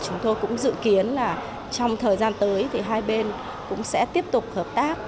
chúng tôi cũng dự kiến trong thời gian tới hai bên cũng sẽ tiếp tục hợp tác